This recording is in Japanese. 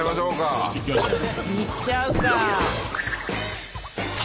いっちゃうか。